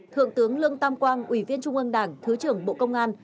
thượng tướng lương tam quang ủy viên trung ương đảng thứ trưởng bộ công an